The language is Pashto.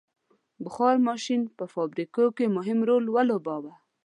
• بخار ماشین په فابریکو کې مهم رول ولوباوه.